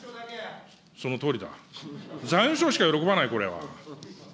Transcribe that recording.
そのとおりだ、財務省しか喜ばない、これは。